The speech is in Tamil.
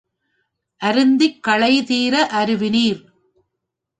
அருந்திக் களைதீர அருவிநீர்!